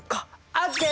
ＯＫ！